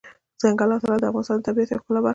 دځنګل حاصلات د افغانستان د طبیعت د ښکلا یوه برخه ده.